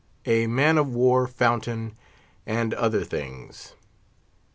A MAN OF WAR FOUNTAIN, AND OTHER THINGS.